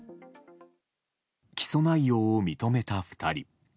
起訴内容を認めた２人。